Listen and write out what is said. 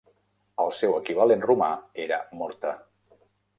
El seu equivalent romà era Morta.